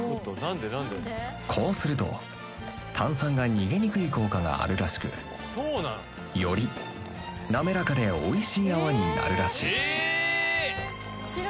こうすると炭酸が逃げにくい効果があるらしくより滑らかでおいしい泡になるらしい